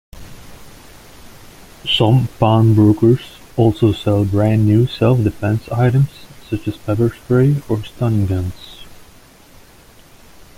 Some pawnbrokers also sell brand-new self-defense items such as pepper spray or stun guns.